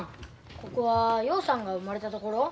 ここは陽さんが生まれた所？